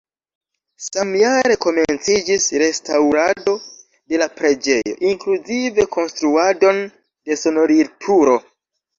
Samjare komenciĝis restaŭrado de la preĝejo, inkluzive konstruadon de sonorilturo.